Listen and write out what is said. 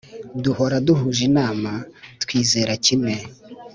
duhora duhuj’ inama, twizera kimwe